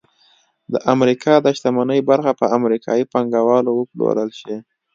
د امریکا د شتمنۍ برخه په امریکايي پانګوالو وپلورل شي